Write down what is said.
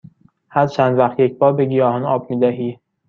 هر چند وقت یک بار به گیاهان آب می دهی؟